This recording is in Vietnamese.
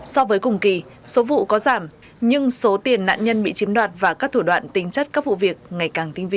so với cùng kỳ số vụ có giảm nhưng số tiền nạn nhân bị chiếm đoạt và các thủ đoạn tính chất các vụ việc ngày càng tinh vi